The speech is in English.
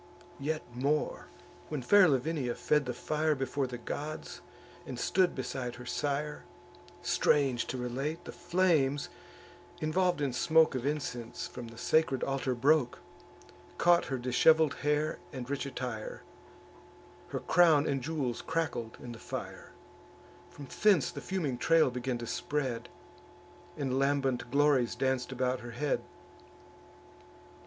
Yet more, when fair Lavinia fed the fire Before the gods, and stood beside her sire, Strange to relate, the flames, involv'd in smoke Of incense, from the sacred altar broke, Caught her dishevel'd hair and rich attire; Her crown and jewels crackled in the fire: From thence the fuming trail began to spread And lambent glories danc'd about her head.